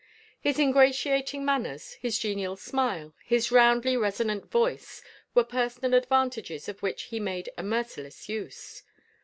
His ingratiating manners, his genial smile, his roundly resonant voice, were personal advantages of which he made a merciless use.